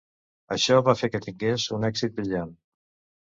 Això va fer que tingués un èxit brillant.